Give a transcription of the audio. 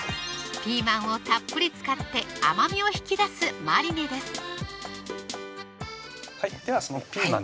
ピーマンをたっぷり使って甘みを引き出すマリネですではそのピーマンですね